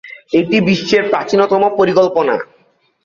এটি বিশ্বের প্রাচীনতম পরিকল্পনা।